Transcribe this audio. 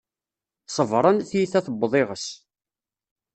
Ṣebren, tiyita tewweḍ iγes